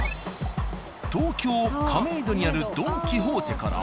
東京・亀戸にある「ドン・キホーテ」から。